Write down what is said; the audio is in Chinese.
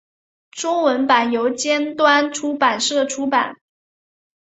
中文版由尖端出版社出版。